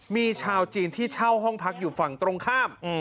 มีชาวจีนที่เช่าห้องพักอยู่ฝั่งตรงข้าม